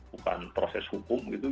bukan proses hukum gitu